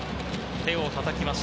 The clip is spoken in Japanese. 手を叩きました。